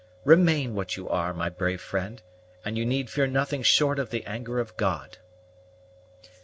Remain what you are, my brave friend, and you need fear nothing short of the anger of God."